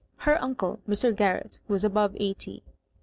" Her unde, Mr. Gar rett, was above eighty.